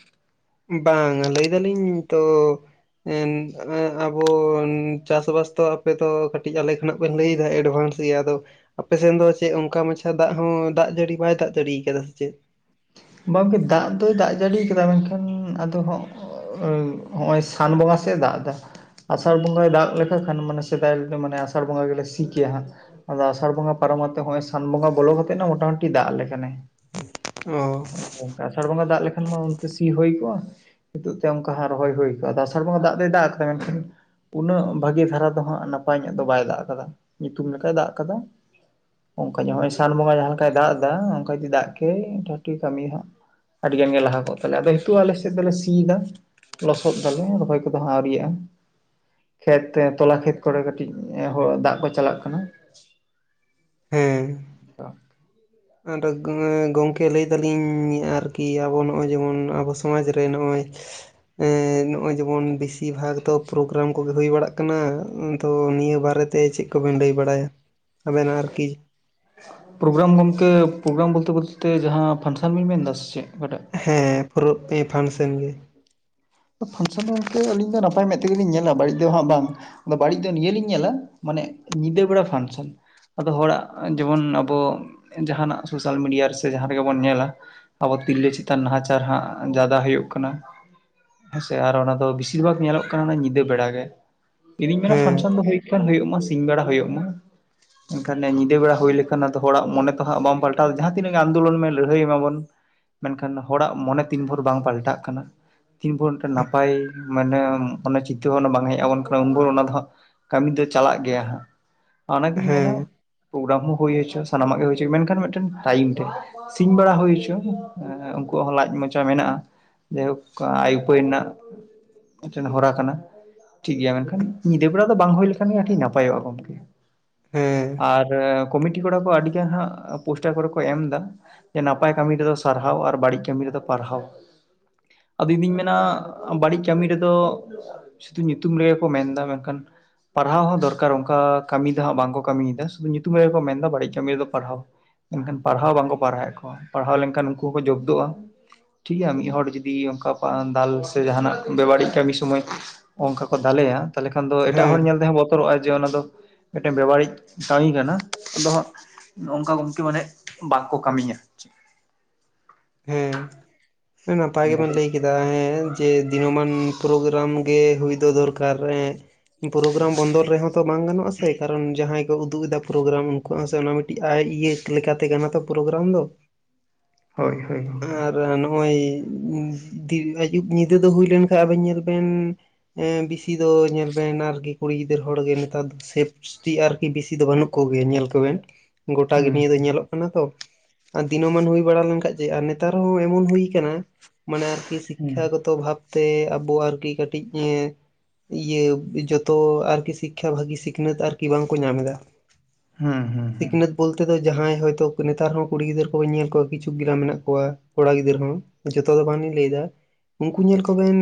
ᱵᱟᱝ ᱟᱸ ᱞᱟᱹᱭ ᱫᱟᱞᱤᱧ ᱛᱚ ᱮ ᱟᱵᱚ ᱪᱟᱥᱵᱟᱥ ᱫᱚ ᱟᱯᱮ ᱫᱚ ᱠᱟᱹᱴᱤᱡ ᱟᱞᱮ ᱠᱷᱚᱱᱟᱜ ᱵᱮᱱ ᱞᱟᱹᱭ ᱮᱫᱟ ᱮᱰᱵᱷᱟᱱᱥ ᱟᱫᱚ ᱟᱯᱮ ᱥᱮᱱ ᱫᱚ ᱪᱮᱫ ᱚᱱᱠᱟ ᱢᱟᱪᱷᱟ ᱫᱟᱜ ᱦᱚᱸ ᱫᱟᱜ ᱡᱟᱹᱲᱤ ᱵᱟᱭ ᱫᱟᱜ ᱡᱟᱲᱤᱭ ᱠᱟᱫᱟ ᱥᱮ ᱪᱮᱫ? ᱵᱟᱝᱠᱮ ᱫᱟᱜ ᱫᱚᱭ ᱫᱟᱜ ᱡᱟᱹᱲᱤ ᱠᱟᱫᱟ ᱢᱮᱱᱠᱷᱟᱱ ᱟᱫᱚ ᱦᱚᱸᱜ ᱦᱚᱸᱜᱼᱚᱭ ᱥᱟᱱ ᱵᱚᱸᱜᱟᱭ ᱫᱟᱜ ᱮᱫᱟ ᱟᱥᱟᱲ ᱵᱚᱸᱜᱟᱭ ᱫᱟᱜ ᱞᱮᱠᱷᱟᱱ ᱠᱷᱟᱱ ᱢᱟᱱᱮ ᱥᱮᱫᱟᱭ ᱢᱟᱱᱮ ᱟᱥᱟᱲ ᱵᱚᱸᱜᱟ ᱜᱮᱞᱮ ᱥᱤ ᱠᱮᱭᱟ᱾ ᱟᱫᱚ ᱟᱥᱟᱲ ᱵᱚᱸᱜᱟ ᱯᱟᱨᱚᱢᱟ ᱠᱟᱛᱮ ᱱᱚᱜ ᱚᱚᱭ ᱥᱟᱱ ᱵᱚᱸᱜᱟ ᱵᱚᱞᱚ ᱠᱟᱛᱮᱜ ᱢᱚᱴᱟᱢᱩᱴᱤ ᱫᱟᱜ ᱟᱞᱮ ᱠᱟᱱᱟᱭ ᱚ ᱟᱥᱟᱲ ᱵᱚᱸᱜᱟ ᱫᱟᱜ ᱞᱮᱠᱷᱟᱱ ᱢᱟ ᱚᱱᱛᱮ ᱥᱤ ᱦᱩᱭ ᱠᱚᱜᱼᱟ ᱱᱤᱛᱳᱜ ᱛᱮ ᱚᱱᱠᱟ ᱦᱜ ᱨᱚᱦᱚᱭ ᱦᱩᱭ ᱠᱚᱜᱼᱟ ᱟᱥᱟᱲ ᱵᱚᱸᱜᱟ ᱫᱟᱜ ᱫᱚᱭ ᱫᱟᱜ ᱠᱟᱫᱟ ᱢᱮᱱᱠᱷᱟᱱ ᱩᱱᱟᱹᱜ ᱵᱷᱟᱜᱤ ᱫᱷᱟᱨᱟ ᱫᱚ ᱦᱟᱜ ᱱᱟᱯᱟᱭ ᱧᱚᱜ ᱫᱚ ᱵᱟᱭ ᱫᱟᱜ ᱟᱠᱟᱫᱟ ᱧᱩᱛᱩᱢ ᱞᱮᱠᱟᱭ ᱫᱟᱜ ᱟᱠᱟᱫᱟ᱾ ᱚᱱᱠᱟᱮ ᱱᱚᱜᱼᱚᱭ ᱥᱟᱱ ᱵᱚᱸᱜᱟ ᱡᱟᱦᱟᱸ ᱞᱮᱠᱟᱭ ᱫᱟᱜ ᱮᱫᱟ ᱚᱱᱠᱟ ᱡᱩᱫᱤ ᱫᱟᱜ ᱠᱮᱭᱟᱭ ᱠᱟᱹᱢᱤ ᱦᱟᱸᱜ ᱾ ᱟᱹᱰᱤ ᱜᱟᱱ ᱜᱮ ᱞᱟᱦᱟ ᱠᱚᱜ ᱛᱟᱞᱮ ᱟᱫᱚ ᱱᱤᱛᱚᱜ ᱟᱞᱮ ᱥᱮᱫ ᱫᱚᱞᱮ ᱥᱤᱭᱮᱫᱟ ᱾ ᱞᱚᱥᱚᱫ ᱫᱟᱞᱮ ᱨᱚᱦᱚᱭ ᱠᱚᱫᱚ ᱟᱣᱨᱤᱭᱟᱜ-ᱟ ᱾ ᱠᱷᱮᱛ ᱛᱚᱞᱟ ᱠᱷᱮᱛ ᱠᱚᱨᱮ ᱠᱟᱹᱴᱤᱡ ᱫᱟᱜ ᱠᱚ ᱪᱟᱞᱟᱜ ᱠᱟᱱᱟ᱾ ᱦᱮᱸ ᱛᱚ ᱟᱫᱚ ᱜᱚᱢᱠᱮ ᱞᱟᱹᱭ ᱫᱟᱞᱤᱧ ᱟᱨᱠᱤ ᱟᱵᱚ ᱱᱚᱜᱼᱚᱭ ᱡᱮᱢᱚᱱ ᱟᱵᱚ ᱥᱚᱢᱟᱡᱽ ᱨᱮ ᱱᱚᱜᱼᱚᱸᱚᱭ ᱱᱚᱜᱼᱚᱭ ᱡᱮᱢᱚᱱ ᱵᱮᱥᱤᱨ ᱵᱷᱟᱜᱽ ᱫᱚ ᱯᱨᱳᱜᱨᱟᱢ ᱠᱚᱜᱮ ᱾ ᱦᱩᱭ ᱵᱟᱲᱟᱜ ᱠᱟᱱᱟ ᱛᱚ ᱱᱤᱭᱟᱹ ᱵᱟᱨᱮᱛᱮ ᱪᱮᱫ ᱠᱚᱵᱮᱱ ᱞᱟᱹᱭ ᱵᱟᱲᱟᱭᱟ ᱟᱵᱮᱱᱟᱜ ᱟᱨᱠᱤ? ᱯᱨᱳᱜᱨᱟᱢ ᱜᱚᱢᱠᱮ ᱯᱨᱳᱜᱨᱟᱢ ᱵᱚᱞᱛᱮ ᱡᱟᱦᱟᱸ ᱯᱷᱟᱱᱥᱮᱱ ᱵᱮᱱ ᱢᱮᱱ ᱮᱫᱟ ᱥᱮ ᱪᱮᱫ ᱚᱠᱟᱴᱟᱜ? ᱦᱮᱸ ᱯᱩᱨᱟ ᱯᱷᱟᱱᱥᱮᱱ ᱜᱮ᱾ ᱯᱷᱟᱱᱥᱚᱱ ᱵᱚᱞᱛᱮ ᱟᱹᱞᱤᱧ ᱫᱚ ᱱᱟᱯᱟᱭ ᱢᱮᱫ ᱛᱮᱜᱮᱞᱤᱧ ᱧᱮᱞᱟ ᱵᱟᱹᱲᱤᱡ ᱫᱚ ᱦᱟᱸᱜ ᱵᱟᱝ᱾ ᱟᱫᱚ ᱵᱟᱹᱲᱤᱡ ᱫᱚ ᱱᱤᱭᱟᱹ ᱞᱤᱧ ᱧᱮᱞᱟ ᱢᱟᱱᱮ ᱧᱤᱫᱟᱹ ᱵᱮᱲᱟ ᱯᱷᱟᱱᱥᱮᱱ᱾ ᱟᱫᱚ ᱦᱚᱲᱟᱜ ᱡᱮᱢᱚᱱ ᱟᱵᱚ ᱡᱟᱦᱟᱱᱟᱜ ᱥᱳᱥᱟᱞ ᱢᱤᱰᱤᱭᱟ ᱨᱮ ᱥᱮ ᱡᱟᱦᱟᱸ ᱨᱮᱜᱮ ᱵᱚᱱ ᱧᱮᱞᱟ᱾ ᱟᱵᱚ ᱛᱤᱨᱞᱟᱹ ᱪᱮᱛᱟᱱ ᱱᱟᱦᱟᱪᱟᱨ ᱦᱟᱜ ᱡᱟᱫᱟ ᱦᱩᱭᱩᱜ ᱠᱟᱱᱟ᱾ ᱦᱮᱸᱥᱮ ᱟᱨ ᱚᱱᱟ ᱫᱚ ᱵᱮᱥᱤᱨ ᱵᱷᱟᱜᱽ ᱧᱮᱞᱚᱜ ᱠᱟᱱᱟ ᱧᱤᱫᱟᱹ ᱵᱮᱲᱟ ᱜᱮ᱾ ᱤᱧ ᱫᱩᱧ ᱢᱮᱱᱟ ᱦᱮᱸ ᱯᱷᱟᱱᱥᱚᱱ ᱫᱚ ᱦᱳᱭᱳᱜ ᱢᱟ ᱥᱤᱧ ᱵᱮᱲᱟ ᱦᱳᱭᱳᱜ ᱢᱟ ᱾ ᱢᱮᱱᱱᱠᱷᱟᱱ ᱧᱤᱫᱟᱹ ᱵᱮᱲᱟ ᱦᱩᱭ ᱞᱮᱠᱷᱟᱱ ᱦᱚᱲᱟᱜ ᱢᱚᱱᱮ ᱛᱚᱦᱟᱸᱜ ᱵᱟᱢ ᱯᱟᱞᱴᱟᱣᱫᱟ ᱡᱟᱦᱟᱸ ᱛᱤᱱᱟᱹᱜ ᱜᱮ ᱟᱱᱫᱳᱞᱚᱱ ᱢᱮ ᱞᱟᱹᱲᱦᱟᱹᱭ ᱢᱟᱵᱚᱱ᱾ ᱢᱮᱱᱠᱷᱟᱱ ᱦᱚᱲᱟᱜ ᱢᱚᱱᱮ ᱛᱤᱱ ᱵᱷᱳᱨ ᱵᱟᱝ ᱯᱟᱞᱴᱟᱜ ᱠᱟᱱᱟ᱾ ᱫᱤᱱ ᱵᱷᱳ ᱢᱤᱫᱴᱮᱱ ᱱᱟᱯᱟᱭ ᱢᱟᱱᱮ ᱪᱤᱱᱛᱟᱹ ᱵᱷᱟᱱᱟ ᱵᱟᱝ ᱦᱮᱡ ᱟᱵᱚᱱ ᱠᱟᱱᱟ ᱩᱱ ᱵᱷᱳ ᱚᱱᱟ ᱫᱚ ᱦᱟᱸᱜ ᱠᱟᱹᱢᱤ ᱫᱚ ᱪᱟᱞᱟᱜ ᱜᱮᱭᱟ ᱦᱟᱸᱜ ᱚᱱᱟᱜᱤᱧ ᱢᱮᱱᱟ᱾ ᱦᱮᱸ ᱯᱨᱳᱜᱨᱟᱢ ᱦᱚᱸ ᱦᱩᱭᱳ ᱦᱚᱪᱚ ᱥᱟᱱᱟᱢᱟᱜ ᱜᱮ ᱦᱩᱭᱪᱚᱼᱟ ᱢᱮᱱᱠᱷᱟᱱ ᱢᱤᱫᱴᱮᱱ ᱴᱟᱭᱤᱢ ᱨᱮ ᱾ ᱥᱤᱧ ᱵᱟᱲᱟ ᱦᱩᱭ ᱦᱚᱪᱚ ᱩᱱᱠᱩᱣᱟᱜ ᱦᱚᱸ ᱞᱟᱡ ᱢᱚᱪᱟ ᱢᱮᱱᱟᱜᱼᱟ ᱡᱟᱭᱦᱳᱠ ᱾ ᱠᱟ ᱟᱭ ᱩᱯᱟᱹᱭ ᱨᱮᱱᱟᱜ ᱢᱤᱫᱴᱮᱱ ᱦᱚᱨᱟ ᱠᱟᱱᱟ ᱴᱷᱤᱠ ᱜᱮᱭᱟ ᱢᱮᱱᱠᱷᱟᱱ ᱧᱤᱫᱟᱹ ᱵᱮᱲᱟ ᱫᱚ ᱵᱟᱝ ᱦᱩᱭ ᱞᱮᱠᱷᱟᱱ ᱜᱮ ᱟᱹᱰᱤ ᱱᱟᱯᱟᱭᱚᱜᱼᱟ ᱜᱚᱝᱠᱮ᱾ ᱦᱮᱸ ᱟᱨ ᱠᱚᱢᱤᱴᱤ ᱠᱚᱲᱟ ᱠᱚ ᱟᱹᱰᱤᱜᱟᱱ ᱦᱟᱸᱜ ᱯᱳᱥᱴᱟᱨ ᱠᱚᱨᱮ ᱠᱚ ᱮᱢ ᱮᱫᱟ ᱾ ᱡᱮ ᱱᱟᱯᱟᱭ ᱠᱟᱹᱢᱤ ᱨᱮᱫᱚ ᱥᱟᱨᱦᱟᱣ ᱟᱨ ᱵᱟᱹᱲᱤᱡ ᱠᱟᱹᱢᱤ ᱨᱮᱫᱚ ᱯᱟᱨᱦᱟᱣ ᱾ ᱟᱫᱚ ᱤᱧ ᱫᱩᱧ ᱢᱮᱱᱟ ᱵᱟᱹᱲᱤᱡ ᱠᱟᱹᱢᱤ ᱨᱮᱫᱚ ᱥᱩᱫᱩ ᱧᱩᱛᱩᱢ ᱨᱮᱜᱮ ᱠᱚ ᱢᱮᱱ ᱮᱫᱟ ᱢᱮᱱᱠᱷᱟᱱ ᱾ ᱯᱟᱲᱦᱟᱣ ᱦᱚᱸ ᱫᱚᱨᱠᱟᱨ ᱚᱱᱠᱟ ᱠᱟᱹᱢᱤ ᱫᱚ ᱦᱟᱸᱜ ᱵᱟᱝᱠᱚ ᱠᱟᱹᱢᱤᱭᱮᱫᱟ ᱥᱩᱫᱩ ᱧᱩᱛᱩᱢ ᱨᱮᱠᱚ ᱢᱮᱱᱫᱟ ᱵᱟᱹᱲᱤᱡ ᱠᱟᱹᱢᱤ ᱨᱮᱫᱚ ᱯᱟᱨᱦᱟᱣ ᱾ ᱢᱮᱱᱠᱷᱟᱱ ᱯᱟᱲᱦᱟᱣ ᱵᱟᱝᱠᱚ ᱯᱟᱲᱦᱟᱣᱮᱫ ᱠᱚᱣᱟ ᱯᱟᱲᱦᱟᱣ ᱞᱮᱱᱠᱷᱟᱱ ᱩᱱᱠᱩ ᱦᱚᱸᱠᱚ ᱡᱚᱵᱫᱚᱜᱼᱟ ᱾ ᱴᱷᱤᱠ ᱜᱮᱭᱟ ᱢᱤᱫ ᱦᱚᱲ ᱡᱩᱫᱤ ᱚᱱᱠᱟ ᱠᱟ ᱫᱟᱞ ᱥᱮ ᱡᱟᱦᱟᱱᱟᱜ ᱵᱮ-ᱵᱟᱹᱲᱤᱡ ᱠᱟᱹᱢᱤ ᱥᱳᱢᱚᱭ ᱚᱱᱠᱟ ᱠᱚ ᱫᱟᱞᱮᱭᱟ? ᱛᱟᱦᱚᱞᱮ ᱠᱷᱟᱱ ᱫᱚ ᱮᱴᱟᱜ ᱦᱚᱲ ᱦᱮᱸ ᱧᱮᱞ ᱛᱮᱦᱚᱸ ᱠᱚ ᱵᱚᱛᱚᱨᱚᱜᱼᱟ ᱡᱮ ᱚᱱᱟ ᱫᱚ ᱢᱤᱫᱴᱮᱱ ᱵᱮᱵᱟᱹᱲᱤᱡ ᱠᱟᱹᱢᱤ ᱠᱟᱱᱟ ᱟᱫᱚ ᱦᱟᱸᱜ! ᱱᱚ ᱱᱚᱝᱠᱟ ᱜᱚᱝᱠᱮ ᱢᱟᱱᱮ ᱵᱟᱝᱠᱚ ᱠᱟᱹᱢᱤᱭᱟ ᱾ ᱱᱟᱯᱟᱭ ᱚᱱᱟ ᱜᱮ ᱵᱚᱱ ᱠᱷᱟᱹᱛᱤᱨ ᱞᱟᱹᱭ ᱠᱮᱫ ᱦᱮᱸ ᱡᱮ ᱫᱤᱱᱚᱢᱟᱱ ᱯᱨᱳᱜᱨᱟᱢ ᱜᱮ ᱦᱩᱭ ᱫᱚ ᱫᱚᱨᱠᱟᱨ ᱦᱮᱸ! ᱯᱨᱳᱜᱨᱟᱢ ᱵᱚᱱᱫᱚ ᱨᱮᱦᱚᱸ ᱛᱚ ᱵᱟᱝ ᱜᱟᱱᱚᱜ-ᱟ ᱥᱮ ᱠᱟᱨᱚᱱ ᱡᱟᱦᱟᱸᱭ ᱠᱚ ᱩᱫᱩᱜ ᱮᱫᱟ᱾ ᱯᱨᱳᱜᱨᱟᱢ ᱩᱱᱠᱩ ᱦᱟᱜ ᱥᱮ ᱚᱱᱟ ᱢᱤᱫᱴᱤᱡ ᱟᱭ ᱤᱭᱟᱹ ᱞᱮᱠᱟᱛᱮ ᱠᱟᱱᱟ ᱛᱚ ᱯᱨᱳᱜᱨᱟᱢ ᱫᱚ᱾ ᱦᱳᱭ ᱦᱳᱭ ᱟᱨ ᱜᱚᱢᱠᱮ [unintelligible] ᱱᱚᱜᱼᱚᱭ ᱫᱤ ᱟᱹᱭᱩᱵ ᱧᱤᱫᱟᱹ ᱫᱚ ᱦᱩᱭ ᱞᱮᱱᱠᱷᱟᱱ ᱟᱵᱮᱱ ᱧᱮᱞ ᱵᱮᱱ ᱵᱮᱥᱤ ᱫᱚ ᱧᱮᱞ ᱵᱮᱱ ᱟᱨᱠᱤ ᱠᱩᱲᱤ ᱜᱤᱫᱟᱹᱨ ᱦᱚᱲ ᱱᱮᱛᱟᱨ ᱫᱚ ᱥᱮᱯᱷ ᱥᱚᱛᱤ ᱟᱨᱠᱤ ᱵᱤᱥᱤ ᱫᱚ ᱵᱟᱹᱱᱩᱜ ᱠᱚᱜᱮᱭᱟ ᱧᱮᱞ ᱠᱚᱵᱮᱱ᱾ ᱜᱚᱴᱟ ᱜᱮ ᱦᱩᱸ ᱱᱤᱭᱟᱹ ᱫᱚ ᱧᱮᱞᱚᱜ ᱠᱟᱱᱟ ᱛᱚ ᱟᱨ ᱫᱤᱱᱢᱟᱱ ᱦᱩᱭ ᱵᱟᱲᱟ ᱞᱮᱱᱠᱷᱟᱡ ᱡᱮ ᱟᱨ ᱱᱮᱛᱟᱨ ᱦᱚᱸ ᱮᱢᱟᱱ ᱦᱩᱭ ᱠᱟᱱᱟ ᱢᱟᱱᱮ ᱟᱨᱠᱤ ᱦᱩᱸ ᱥᱤᱠᱠᱷᱟ ᱜᱚᱛᱚ ᱵᱷᱟᱵ ᱛᱮ ᱟᱵᱚ ᱟᱨᱠᱤ ᱠᱟᱹᱴᱤᱡ ᱮᱸ ᱤᱭᱟᱹ ᱡᱚᱛᱚ ᱟᱨᱠᱤ ᱥᱤᱠᱠᱷᱟ ᱵᱷᱟᱹᱜᱤ ᱥᱤᱠᱷᱱᱟᱹᱛ ᱟᱨᱠᱤ ᱵᱟᱝᱠᱚ ᱧᱟᱢ ᱮᱫᱟ᱾ ᱦᱩᱸ ᱦᱩᱸ ᱦᱩᱸ ᱵᱳᱞ ᱛᱮ ᱫᱚ ᱡᱟᱦᱟᱸᱭ ᱦᱚᱭᱛᱚ ᱱᱮᱛᱟᱨ ᱦᱚᱸ ᱠᱩᱲᱤ ᱜᱤᱫᱟᱹᱨ ᱠᱚ ᱧᱮᱞ ᱠᱚᱣᱟ ᱠᱤᱪᱷᱩ ᱜᱤᱞᱟ ᱢᱮᱱᱟᱜ ᱠᱚᱣᱟ ᱠᱚᱲᱟ ᱜᱤᱫᱽᱟᱹᱨ ᱦᱚᱸ᱾ ᱡᱚᱛᱚ ᱫᱚ ᱵᱟᱝᱞᱤᱧ ᱞᱟᱹᱭᱮᱫᱟ ᱩᱱᱠᱩ ᱧᱮᱞ ᱠᱚᱵᱮᱱ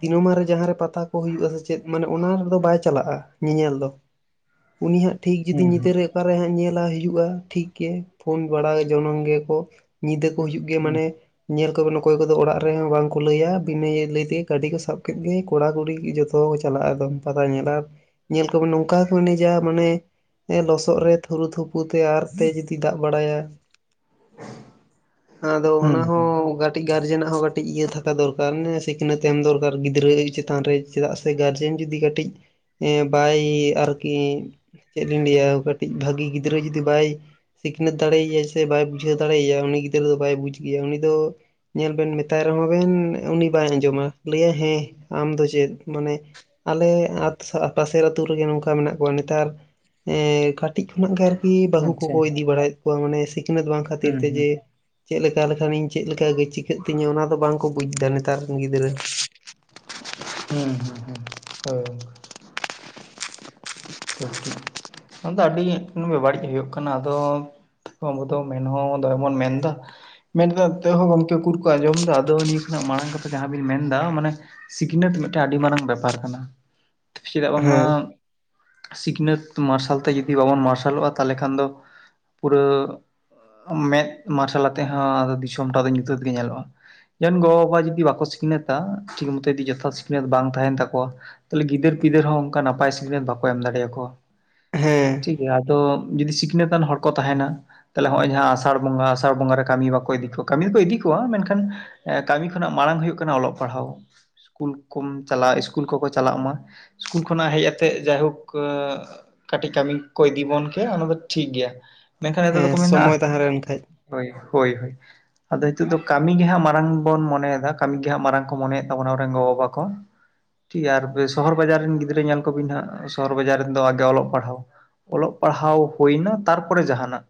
ᱫᱤᱱᱟᱹᱢᱟᱱ ᱨᱮ ᱡᱟᱦᱟᱸᱨᱮ ᱯᱟᱛᱟ ᱠᱩ ᱦᱩᱭᱩᱜᱼᱟ ᱥᱮ ᱪᱮᱫ ᱢᱟᱱᱮ ᱚᱱᱟ ᱨᱮᱫᱚ ᱵᱟᱭ ᱪᱟᱞᱟᱜᱼᱟᱭ ᱧᱮᱧᱮᱞ ᱫᱚ᱾ ᱩᱱᱤ ᱦᱟᱸᱜ ᱴᱷᱤᱠ ᱡᱩᱫᱤ ᱦᱩᱸ ᱧᱤᱫᱟᱹ ᱨᱮ ᱚᱠᱟᱨᱮ ᱦᱟᱸᱜ ᱧᱮᱞᱟ ᱦᱤᱡᱩᱜᱼᱟ ᱴᱷᱤᱠ ᱜᱮ ᱯᱷᱳᱱ ᱵᱟᱲᱟ ᱡᱚᱱᱚᱝ ᱜᱮᱠᱚ᱾ ᱧᱤᱫᱟᱹ ᱠᱩ ᱦᱩᱭᱩᱜ ᱜᱮᱭᱟ ᱦᱩᱸ ᱦᱩᱸ ᱢᱟᱱᱮ᱾ ᱧᱮᱞ ᱠᱚᱵᱮᱱ ᱚᱠᱚᱭ ᱠᱚᱫᱚ ᱚᱲᱟᱜ ᱨᱮᱦᱚᱸ ᱵᱟᱝ ᱠᱚ ᱞᱟᱹᱭᱟ ᱵᱤᱱᱟᱹ ᱞᱟᱹᱭ ᱛᱮᱜᱮ ᱠᱟᱹᱰᱤ ᱠᱚ ᱥᱟᱵ ᱠᱮᱜ ᱜᱮ ᱠᱚᱲᱟ ᱠᱩᱲᱤ ᱡᱚᱛ ᱛᱚ ᱠᱚ ᱪᱟᱞᱟᱜᱼᱟ ᱟᱫᱚᱢ ᱯᱟᱛᱟ ᱧᱮᱞ ᱟᱨ ᱧᱮᱞ ᱠᱚᱣᱟ ᱵᱮᱱ ᱱᱚᱝᱠᱟ ᱠᱚ ᱮᱱᱮᱡᱟ ᱢᱟᱱᱮ ᱞᱚᱥᱚᱜ ᱨᱮ ᱛᱷᱩᱨᱩ ᱛᱷᱩᱯᱩ ᱛᱮ ᱟᱨ ᱛᱮ ᱡᱩᱫᱤ ᱫᱟᱜ ᱵᱟᱲᱟᱭᱟ᱾ ᱟᱫᱚ ᱦᱩᱸ ᱚᱱᱟ ᱦᱩᱸ ᱠᱩ ᱠᱟᱹᱴᱤᱜ ᱜᱟᱨᱡᱮᱱᱟᱜ ᱦᱚᱸ ᱠᱟᱹᱴᱤᱜ ᱤᱭᱟᱹ ᱛᱷᱟᱠᱟ ᱫᱚᱨᱠᱟᱨ ᱢᱟᱱᱮ ᱥᱤᱠᱷᱱᱟᱹᱛ ᱮᱢ ᱫᱚᱨᱠᱟᱨ ᱜᱤᱫᱽᱨᱟᱹ ᱪᱮᱛᱟᱱ ᱨᱮ ᱪᱮᱫᱟᱜ ᱥᱮ ᱜᱟᱨᱡᱮᱱ ᱡᱩᱫᱤ ᱠᱟᱹᱴᱤᱡ ᱮ ᱵᱟᱭ ᱟᱨᱠᱤᱼᱼ ᱪᱮᱫ ᱞᱤᱧ ᱞᱟᱹᱭᱟ ᱠᱟᱹᱴᱤᱡ ᱵᱷᱟᱹᱜᱤ ᱜᱤᱫᱽᱨᱟᱹ ᱡᱩᱫᱤ ᱵᱟᱭ ᱥᱤᱠᱷᱱᱟᱹᱛ ᱫᱟᱲᱮᱭᱟᱭ ᱥᱮ ᱵᱟᱭ ᱵᱩᱡᱷᱟᱹᱣ ᱫᱟᱲᱮᱭᱟᱭ ᱩᱱᱤ ᱜᱤᱫᱽᱨᱟᱹ ᱫᱚ ᱵᱟᱭ ᱵᱩᱡᱽ ᱜᱮᱭᱟ ᱩᱱᱤ ᱫᱚ ᱧᱮᱞ ᱵᱮᱱ ᱢᱮᱛᱟᱭ ᱨᱮᱦᱚᱸ ᱵᱮᱱ ᱩᱱᱤ ᱵᱟᱭ ᱟᱸᱡᱚᱢᱟ ᱞᱟᱹᱭᱟ ᱦᱮᱸ ᱟᱢ ᱫᱚ ᱪᱮᱫ ᱢᱟᱱᱮ ᱟᱞᱮ ᱟᱸᱛᱥᱟ ᱯᱟᱥᱮᱨ ᱟᱹᱛᱩ ᱨᱮᱜᱮ ᱱᱚᱝᱠᱟ ᱢᱮᱱᱟᱜ ᱠᱚᱣᱟ ᱱᱮᱛᱟᱨ ᱮᱸᱻ ᱠᱟᱴ ᱴᱤᱡ ᱠᱷᱚᱱᱟᱜ ᱜᱮ ᱟᱨᱠᱤ ᱵᱟᱹᱦᱩ ᱟᱪᱪᱷᱟ ᱠᱩᱠᱩ ᱤᱫᱤ ᱵᱟᱲᱟ ᱭᱮᱫ ᱠᱚᱣᱟ ᱢᱟᱱᱮ ᱥᱤᱠᱷᱱᱟᱹᱛ ᱵᱟᱝ ᱠᱷᱟᱹᱛᱤᱨ ᱦᱩᱸ ᱛᱮ ᱦᱩᱸ ᱡᱮ ᱪᱮᱫ ᱞᱟ ᱠᱟ ᱞᱮᱠᱷᱟᱱᱤᱧ ᱪᱮᱫ ᱞᱮᱠᱟᱜᱮ ᱪᱤᱠᱟ. ᱜ ᱛᱤᱧᱟ ᱚᱱᱟ ᱫᱚ ᱵᱟᱝᱠᱚ ᱵᱩᱡᱽ ᱫᱟ ᱱᱮᱛᱟᱨ ᱨᱮᱱ ᱜᱤᱫᱽᱨᱟᱹ᱾ ᱦᱩᱸ ᱦᱩᱸ ᱦᱩᱸ ᱦᱳᱭ [inaudible] ᱱᱚᱣᱟ ᱫᱚ ᱟᱹᱰᱤ ᱵᱟᱹᱲᱤᱡ ᱦᱩᱭᱩᱜ ᱠᱟᱱᱟ ᱟᱫᱚ ᱯᱚᱛᱷᱚᱢ ᱯᱚᱛᱷᱚᱢ ᱢᱮᱱ ᱦᱚᱸ ᱫᱚᱢᱮ ᱵᱚᱱ ᱢᱮᱱᱫᱟ᱾ ᱢᱮᱱᱠᱟᱛᱮᱜ ᱦᱚᱸ ᱜᱚᱝᱠᱮ ᱩᱠᱩᱨ ᱠᱩ ᱟᱸᱡᱚᱢ ᱫᱟ ᱟᱫᱚ ᱱᱤᱭᱟᱹ ᱠᱷᱚᱱᱟᱜ ᱢᱟᱲᱟᱝ ᱠᱟᱛᱮ ᱡᱟᱦᱟᱸ ᱵᱤᱱ ᱢᱮᱱᱫᱟ ᱢᱟᱱᱮ ᱥᱤᱠᱷᱤᱱᱟᱹᱛ ᱢᱤᱫᱴᱮᱜ ᱟᱹᱰᱤ ᱢᱟᱨᱟᱝ ᱵᱮᱯᱟᱨ ᱠᱟᱱᱟ ᱪᱮᱫᱟᱜ ᱵᱟᱝᱢᱟ ᱦᱮᱸ ᱥᱤᱠᱷᱱᱟᱹᱛ ᱢᱟᱨᱥᱟᱞ ᱛᱮ ᱡᱩᱫᱤ ᱵᱟᱵᱚᱱ ᱢᱟᱨᱥᱟᱞᱚᱜᱼᱟ ᱛᱟᱦᱞᱮ ᱠᱷᱟᱱ ᱫᱚ ᱯᱩᱨᱟᱹ ᱢᱮᱫ ᱢᱟᱨᱥᱟᱞ ᱟᱛᱮᱫ ᱦᱚᱸ ᱟᱫᱚ ᱫᱤᱥᱚᱢ ᱴᱟ ᱫᱚ ᱧᱩᱛᱟᱹᱛ ᱜᱮ ᱧᱮᱞᱚᱜᱼᱟ᱾ ᱡᱚᱱ ᱜᱚ ᱵᱟᱵᱟ ᱡᱚᱫᱤ ᱵᱟᱠᱚ ᱥᱤᱠᱷᱱᱟᱹᱛᱟ ᱴᱷᱤᱠ ᱢᱚᱛᱚ ᱡᱚᱫᱤ ᱡᱚᱛᱷᱟᱛ ᱥᱤᱠᱷᱱᱟᱹᱛ ᱵᱟᱝ ᱛᱟᱦᱮᱱ ᱛᱟᱠᱚᱣᱟ ᱛᱟᱦᱞᱮ ᱜᱤᱫᱟᱹᱨ ᱯᱤᱫᱟᱹᱨ ᱦᱚᱸ ᱚᱱᱠᱟ ᱱᱟᱯᱟᱭ ᱥᱤᱠᱷᱤᱱᱟᱹᱛ ᱵᱟᱠᱚ ᱮᱢ ᱫᱟᱲᱮᱭᱟᱠᱚᱣᱟ᱾ ᱦᱮᱸ ᱴᱷᱤᱠ ᱜᱮᱭᱟ ᱟᱫᱚ ᱡᱩᱫᱤ ᱥᱤᱠᱷᱤᱱᱟᱹᱛᱟᱱ ᱦᱚᱲ ᱠᱚ ᱛᱟᱦᱮᱱᱟ ᱛᱟᱦᱞᱮ ᱦᱚᱸᱜᱼᱚᱭ ᱡᱟᱦᱟᱸ ᱟᱥᱟᱲ ᱵᱚᱸᱜᱟ ᱟᱥᱟᱲ ᱵᱚᱸᱜᱟ ᱨᱮ ᱠᱟᱹᱢᱤ ᱵᱟᱠᱚ ᱤᱫᱤ ᱠᱚᱣᱟ ᱠᱟᱹᱢᱤ ᱫᱚᱠᱚ ᱤᱫᱤ ᱠᱚᱣᱟ ᱢᱮᱱᱠᱷᱟᱱ ᱮ ᱠᱟᱹᱢᱤ ᱠᱷᱚᱱᱟᱜ ᱢᱟᱨᱟᱝ ᱦᱩᱭᱩᱜ ᱠᱟᱱᱟ ᱚᱞᱚᱜ ᱯᱟᱲᱦᱟᱣ᱾ ᱠᱩᱞ ᱠᱚᱢ ᱪᱟᱞᱟᱣ ᱤᱥᱠᱩᱞ ᱠᱚᱠᱚ ᱪᱟᱞᱟᱜ ᱢᱟ ᱤᱥᱠᱩᱞ ᱠᱷᱚᱱᱟᱜ ᱦᱮᱡ ᱟᱛᱮᱜ ᱡᱟᱭᱦᱳᱠ ᱠᱳ ᱠᱟᱹᱴᱤᱡ ᱠᱟᱹᱢᱤ ᱠᱚ ᱠᱚ ᱤᱫᱤᱵᱚᱱ ᱠᱮᱭᱟ ᱚᱱᱟ ᱫᱚ ᱴᱷᱤᱠ ᱜᱮᱭᱟ᱾ ᱢᱮᱱᱠᱷᱟᱱ ᱱᱮᱛᱟᱨ ᱦᱮᱸ ᱫᱚᱠᱚ ᱢᱮᱱ ᱫᱟ ᱟᱜ ᱥᱚᱢᱚᱭ ᱛᱟᱦᱮᱸ ᱞᱮᱱ ᱠᱷᱟᱡ ᱦᱳᱭ ᱦᱳᱭ ᱦᱳᱭ᱾ ᱟᱫᱚ ᱱᱤᱛᱩᱜ ᱫᱩ ᱠᱟᱹᱢᱤ ᱜᱮᱦᱟᱸᱜ ᱢᱟᱨᱟᱝ ᱵᱚᱱ ᱢᱚᱱᱮᱭᱟ ᱠᱟᱹᱢᱤ ᱜᱮᱦᱟᱸᱜ ᱢᱟᱨᱟᱝ ᱠᱚ ᱢᱚᱱᱮᱭᱮᱜ ᱛᱟᱵᱚᱱᱟ ᱟᱵᱚ ᱨᱮᱱ ᱜᱚ ᱵᱟᱵᱟ ᱠᱚ᱾ ᱴᱷᱤᱠ ᱜᱮᱭᱟ ᱟᱨ ᱥᱚᱦᱚᱨ ᱵᱟᱡᱟᱨ ᱨᱮᱱ ᱜᱤᱫᱽᱨᱟᱹ ᱧᱮᱞ ᱠᱚᱵᱤᱱ ᱦᱟᱸᱜ ᱥᱚ ᱦᱚᱨ ᱵᱟᱡᱟᱨ ᱨᱮᱱᱫᱚ ᱟᱜᱮ ᱚᱞᱚᱜ ᱯᱟᱲᱦᱟᱣ ᱚᱞᱚᱜ ᱯᱟᱲᱦᱟᱣ ᱦᱳᱭᱱᱟ ᱛᱟᱨᱯᱚᱨᱮ ᱡᱟᱦᱟᱱᱟᱜ᱾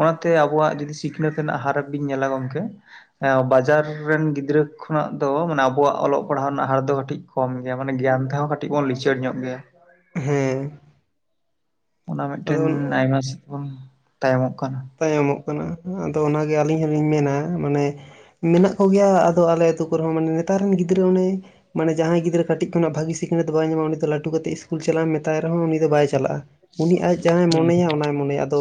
ᱚᱱᱟᱛᱮ ᱟᱵᱚᱣᱟᱜ ᱡᱚᱫᱤ ᱥᱤᱠᱤᱱᱟᱹᱛ ᱨᱮᱱᱟᱜ ᱦᱟᱨᱟᱯ ᱵᱤᱱ ᱧᱮᱞᱟ ᱜᱚᱢᱠᱮ ᱮᱸ ᱵᱟᱡᱟᱨ ᱨᱮᱱ ᱜᱤᱫᱽᱨᱟᱹ ᱠᱷᱚᱱᱟᱜ ᱫᱚ ᱢᱟᱱᱮ ᱟᱵᱚᱣᱟᱜ ᱚᱞᱚᱜ ᱯᱟᱲᱦᱟᱣ ᱨᱮᱱᱟᱜ ᱦᱟᱨ ᱫᱚ ᱠᱟᱹᱴᱤᱡ ᱠᱚᱢ ᱜᱮᱭᱟ ᱢᱟᱱᱮ ᱜᱮᱭᱟᱱ ᱛᱮᱦᱚᱸ ᱠᱟᱹᱴᱤᱡ ᱵᱚᱱ ᱞᱤᱪᱟᱹᱲ ᱧᱚᱜ ᱜᱮᱭᱟ᱾ ᱦᱮᱸ ᱚᱱᱟ ᱢᱤᱜᱴᱮᱱ ᱟᱫᱚ ᱟᱭᱢᱟ ᱵᱚᱱ ᱛᱟᱭᱚᱢᱚᱜ ᱠᱟᱱᱟ᱾ ᱛᱟᱭᱚᱢᱚᱜ ᱠᱟᱱᱟ ᱟᱫᱚ ᱚᱱᱟᱜᱮ ᱟᱹᱞᱤᱧ ᱦᱚᱞᱤᱧ ᱢᱮᱱᱟ ᱢᱟᱱᱮ ᱢᱮᱱᱟᱜ ᱠᱚᱜᱮᱭᱟ ᱟᱫᱚ ᱟᱞᱮ ᱟᱹᱛᱩ ᱠᱚᱨᱮ ᱦᱚᱸ ᱢᱟᱱᱮ ᱱᱮᱛᱟᱨ ᱨᱤᱱ ᱜᱤᱫᱽᱨᱟᱹ ᱚᱱᱮ ᱢᱟᱱᱮ ᱡᱟᱦᱟᱸᱭ ᱜᱤᱫᱽᱨᱟᱹ ᱠᱟᱹᱴᱤᱡ ᱠᱷᱚᱱᱟᱜ ᱵᱷᱟᱹᱜᱤ ᱥᱤᱠᱷᱤᱱᱟᱹᱛ ᱵᱟᱭ ᱧᱟᱢᱟᱭ ᱩᱱᱤ ᱛᱚ ᱞᱟᱴᱩ ᱠᱟᱛᱮᱜ ᱤᱥᱠᱩᱞ ᱪᱟᱞᱟᱜ ᱮᱢ ᱢᱮᱛᱟᱭ ᱨᱮᱦᱚᱸ ᱩᱱᱤ ᱫᱚ ᱵᱟᱭ ᱪᱟᱞᱟᱜᱼᱟ᱾ ᱩᱱᱤ ᱟᱡ ᱡᱟᱦᱟᱸᱭ ᱦᱩᱸ ᱢᱚᱱᱮᱭᱟ ᱚᱱᱟᱭ ᱢᱚᱱᱮᱭᱟ ᱟᱫᱚ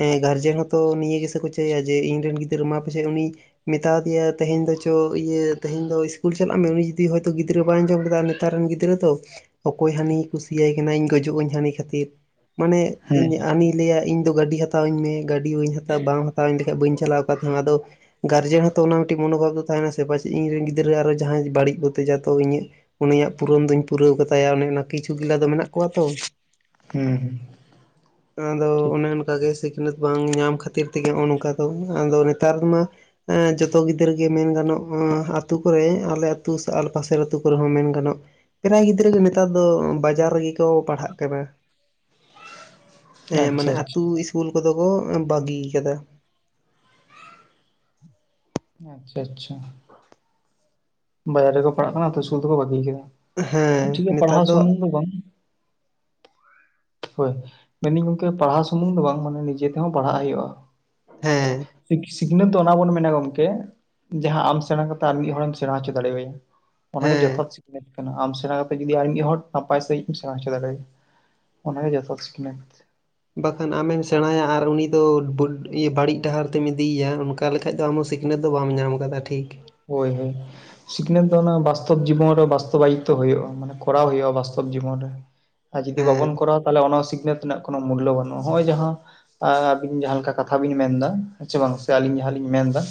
ᱮᱸ ᱜᱟᱨ ᱡᱮᱦᱮᱛᱩ ᱱᱤᱭᱟᱹ ᱜᱮᱥᱮ ᱠᱚ ᱪᱟᱹᱭᱟ ᱡᱮ ᱤᱧ ᱨᱤᱱ ᱜᱤᱫᱽᱨᱟᱹ ᱢᱟ ᱯᱟᱪᱮᱫ ᱩᱱᱤ ᱢᱮᱛᱟ ᱫᱮᱭᱟ ᱛᱮᱦᱮᱧ ᱫᱚ ᱪᱚ ᱤᱭᱟᱹ ᱛᱮᱦᱮᱧ ᱫᱚ ᱤᱥᱠᱩᱞ ᱪᱟᱞᱟᱜ ᱢᱮ ᱩᱱᱤ ᱡᱩᱫᱤ ᱦᱚᱭᱛᱚ ᱜᱤᱫᱽᱨᱟᱹ ᱵᱟᱭ ᱟᱸᱡᱚᱢ ᱞᱮᱫᱟ, ᱱᱮᱛᱟᱨ ᱨᱤᱱ ᱜᱤᱫᱽᱨᱟᱹ ᱫᱚ ᱚᱠᱚᱭ ᱦᱟᱹᱱᱤ ᱠᱩᱥᱤᱭᱟᱭ ᱠᱟᱱᱟ ᱤᱧ ᱜᱚᱡᱚᱜ ᱟᱹᱧ ᱦᱟᱹᱱᱤ ᱠᱷᱟᱹᱛᱤᱨ ᱢᱟᱱᱮ ᱦᱩᱸ ᱤᱧ ᱦᱟᱱᱤ ᱞᱟᱹᱭᱟ ᱤᱧᱫᱚ ᱜᱟᱹᱰᱤ ᱦᱟᱛᱟᱣᱟᱹᱧ ᱢᱮ ᱜᱟᱹᱰᱤ ᱵᱟᱢ ᱦᱟᱛᱟᱣ ᱤᱧ ᱞᱮᱠᱷᱟᱱ ᱵᱟᱹᱧ ᱪᱟᱞᱟᱜᱼᱟ ᱚᱠᱟ ᱛᱮᱦᱚᱸ ᱟᱫᱚ ᱜᱟᱨᱡᱮ ᱦᱚᱸᱛᱚ ᱚᱱᱟ ᱢᱤᱫᱴᱟᱝ ᱢᱚᱱᱳᱵᱷᱟᱵᱽ ᱫᱚ ᱛᱟᱦᱮᱸᱱᱟ ᱥᱮ ᱯᱟᱪᱮᱫ ᱤᱧ ᱨᱮᱱ ᱜᱤᱫᱽᱨᱟᱹ ᱟᱨᱦᱚᱸ ᱡᱟᱦᱟᱸᱭ ᱵᱟᱹᱲᱤᱡ ᱵᱩᱛᱤᱡᱟᱛ ᱤᱧᱟᱹ᱾ ᱩᱱᱤᱭᱟᱜ ᱯᱩᱨᱚᱱ ᱫᱩᱧ ᱯᱩᱨᱟᱹᱣ ᱠᱟᱛᱟᱭᱟ ᱚᱱᱮ ᱚᱱᱟ ᱠᱤᱪᱷᱩ ᱜᱤᱞᱟ ᱫᱚ ᱢᱮᱱᱟᱜ ᱠᱚᱣᱟ ᱛᱚ ᱦᱩᱸ ᱟᱫᱚ ᱴᱷᱤᱠ ᱚᱱᱮ ᱴᱷᱤᱠ ᱚᱱᱠᱟ ᱜᱮ ᱥᱤᱠᱷᱱᱟᱹᱛ ᱵᱟᱝ ᱧᱟᱢ ᱠᱷᱟᱹᱛᱤᱨ ᱛᱮᱜᱮ ᱱᱚᱜᱼᱚᱭ ᱱᱚᱝᱠᱟ ᱫᱚ ᱟᱫᱚ ᱱᱮᱛᱟᱨ ᱢᱟ ᱡᱚᱛᱚ ᱜᱤᱫᱽᱨᱟᱹ ᱜᱮ ᱢᱮᱱ ᱜᱟᱱᱚᱜ ᱟᱹᱛᱩ ᱠᱚᱨᱮ ᱟᱞᱮ ᱟᱹᱛᱩ ᱯᱟᱥᱮ ᱟᱹᱛᱩ ᱠᱚᱨᱮ ᱦᱚᱸ ᱢᱮᱱ ᱜᱟᱱᱚᱜ ᱯᱨᱟᱭ ᱜᱤᱫᱽᱨᱟᱹ ᱜᱮ ᱱᱮᱛᱟᱨ ᱫᱚ ᱵᱟᱡᱟᱨ ᱨᱮᱜᱮ ᱠᱚ ᱯᱟᱲᱦᱟᱜ ᱠᱟᱱᱟ᱾ [unintelligible] ᱦᱮᱸ, ᱟᱪᱪᱷᱟ ‌ᱢᱟᱱᱮ ᱟᱪᱪᱷᱟ ᱟᱛᱩ ᱤᱥᱠᱩᱞ ᱠᱚᱫᱚ ᱠᱚ ᱵᱟᱹᱜᱤ ᱟᱠᱟᱫᱟ᱾ ᱟᱪᱪᱷᱟ, ᱪᱷᱟ, ᱵᱟᱡᱟᱨ ᱨᱮᱠᱚ ᱯᱟᱲᱦᱟᱜ ᱠᱟᱱᱟ ᱟᱛᱩ ᱤᱥᱠᱩᱞ ᱫᱚᱠᱚ ᱵᱟᱹᱜᱤ ᱟᱠᱟᱫᱟ᱾ ᱦᱮᱸ ᱴᱷᱤᱠ ᱜᱮᱭᱟ ᱱᱮᱛᱟᱨ ᱯᱟᱲᱦᱟᱣ ᱥᱩᱢᱩᱝ ᱫᱚ ᱵᱟᱝ, ᱦᱳᱭ, ᱢᱮᱱ ᱟᱹᱧ ᱜᱚᱝᱠᱮ ᱯᱟᱲᱦᱟᱣ ᱥᱩᱢᱩᱝ ᱫᱚ ᱵᱟᱝ ᱢᱟᱱᱮ ᱱᱤᱡᱮ ᱛᱮᱦᱚᱸ ᱯᱟᱲᱦᱟᱜ ᱦᱩᱭᱩᱜᱼᱟ᱾ ᱦᱮᱸ, ᱥᱤᱠᱷᱱᱟᱹᱛ ᱫᱚ ᱚᱱᱟ ᱵᱚᱱ ᱢᱮᱱᱟ ᱜᱚᱢᱠᱮ, ᱡᱟᱦᱟᱸ ᱟᱢ ᱥᱮᱬᱟ ᱠᱟᱛᱮ ᱟᱨ ᱢᱤᱫ ᱦᱚᱲᱮᱢ ᱥᱮᱬᱟ ᱦᱚᱪᱚ ᱫᱟᱲᱮᱭ ᱟᱭᱟ ᱚᱱᱟᱜᱮ ᱦᱮᱸ ᱡᱚᱛᱷᱟᱛ ᱥᱤᱠᱷᱱᱟᱹᱛ ᱠᱟᱱᱟ ᱟᱢ ᱥᱮᱬᱟ ᱠᱟᱛᱮ ᱡᱩᱫᱤ ᱟᱨ ᱢᱤᱫ ᱦᱚᱲ ᱱᱟᱯᱟᱭ ᱥᱟᱺᱦᱤᱡ ᱮᱢ ᱥᱮᱬᱟ ᱦᱚᱪᱚ ᱫᱟᱲᱮᱭᱟ ᱚᱱᱟᱜᱮ ᱡᱚᱛᱷᱟᱛ ᱥᱤᱠᱷᱱᱟᱹᱛ᱾ ᱵᱟᱠᱷᱟᱱ ᱟᱢᱮᱢ ᱥᱮᱬᱟᱭᱟ ᱟᱨ ᱩᱱᱤ ᱫᱚ ᱵᱟᱹᱲᱤᱡ ᱰᱟᱦᱟᱨ ᱛᱮᱢ ᱤᱫᱤᱭᱮᱭᱟ ᱚᱱᱠᱟ ᱞᱮᱠᱷᱟᱱ ᱫᱚ ᱟᱢ ᱦᱚᱸ ᱥᱤᱠᱷ ᱱᱟᱹᱛ ᱫᱚ ᱵᱟᱢ ᱧᱟᱢ ᱟᱠᱟᱫᱟ ᱴᱷᱤᱠ᱾ ᱦᱳᱭ, ᱦᱳᱭ, ᱥᱤᱠᱷᱱᱟᱹᱛ ᱫᱚ ᱚᱱᱟ ᱵᱟᱥᱛᱚᱵ ᱡᱤᱵᱚᱱ ᱨᱮ ᱵᱟᱥᱛᱚᱵ ᱟᱭᱤᱛᱚ ᱦᱩᱭᱩᱜᱼᱟ ᱢᱟᱱᱮ ᱠᱚᱨᱟᱣ ᱦᱩᱭᱩᱜᱼᱟ ᱵᱟᱥᱛᱚᱵ ᱡᱤᱵᱚᱱ ᱨᱮ, ᱟᱨ ᱡᱩᱫᱤ ᱦᱮᱸ ᱵᱟᱵᱚᱱ ᱠᱚᱨᱟᱣᱟ ᱛᱟᱦᱚᱞᱮ ᱚᱱᱟ ᱥᱤᱠᱷᱱᱟᱹᱛ ᱨᱮᱱᱟᱜ ᱠᱳᱱᱚ ᱢᱩᱞᱞᱚ ᱵᱟᱹᱱᱩᱜᱼᱟ᱾ ᱱᱚᱜᱼᱚᱭ ᱡᱟᱦᱟᱸ ᱟᱨ ᱟᱵᱤᱱ ᱡᱟᱦᱟᱸ ᱞᱮᱠᱟ ᱠᱟᱛᱷᱟ ᱵᱤᱱ ᱢᱮᱱ ᱮᱫᱟ ᱦᱮᱸ ᱪᱮ ᱵᱟᱝ ᱥᱮ ᱟᱹᱞᱤᱧ ᱡᱟᱦᱟᱸᱞᱤᱧ ᱢᱮᱱ ᱮᱫᱟ,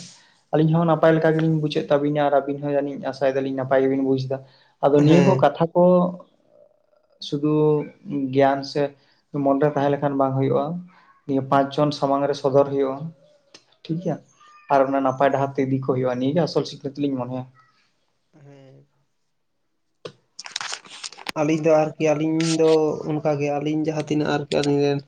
ᱟᱹᱞᱤᱧ ᱦᱚᱸ ᱱᱟᱯᱟᱭ ᱞᱮᱠᱟ ᱜᱮᱞᱤᱧ ᱵᱩᱡᱮᱫ ᱛᱟᱹᱵᱤᱱᱟ ᱟᱨ ᱟᱹᱵᱤᱱ ᱦᱚᱸ ᱡᱟᱹᱱᱤᱡ ᱟᱥᱟᱭᱮᱫᱟ ᱞᱤᱧ ᱱᱟᱯᱟᱭ ᱜᱮᱵᱤᱱ ᱵᱩᱡ ᱮᱫᱟ᱾ ᱟᱫᱚ ᱱᱤᱭᱟᱹ ᱠᱚ ᱦᱮᱸ ᱠᱟᱛᱷᱟ ᱠᱚ ᱥᱩᱫᱷᱩ ᱜᱮᱭᱟᱱ ᱥᱮ ᱢᱚᱱᱮᱨᱮ ᱛᱟᱦᱮᱸ ᱞᱮᱠᱷᱟᱱ ᱵᱟᱝ ᱦᱩᱭᱩᱜᱼᱟ ᱱᱤᱭᱟᱹ ᱯᱟᱸᱪ ᱡᱚᱱ ᱥᱟᱢᱟᱝ ᱨᱮ ᱥᱚᱫᱚᱨ ᱦᱩᱭᱩᱜᱼᱟ ᱴᱷᱤᱠ ᱜᱮᱭᱟ ᱟᱨ ᱚᱱᱟ ᱱᱟᱯᱟᱭ ᱰᱟᱦᱟᱨ ᱛᱮ ᱤᱫᱤ ᱠᱚ ᱦᱩᱭᱩᱜᱼᱟ ᱱᱤᱭᱟᱹᱜᱮ ᱟᱥᱚᱞ ᱥᱤᱠᱷᱱᱟᱹᱛ ᱞᱤᱧ ᱢᱚᱱᱮᱭᱟ᱾ ᱦᱮᱸ ᱟᱹᱞᱤᱧ ᱫᱚ ᱟᱨᱠᱤ ᱟᱹᱞᱤᱧ ᱫᱚ ᱚᱱᱠᱟᱜᱮ ᱟᱹᱞᱤᱧ ᱡᱟᱦᱟᱸ ᱛᱤᱱᱟᱹᱜ ᱟᱨᱠᱤ ᱟᱹᱞᱤᱧ ᱨᱮᱱ,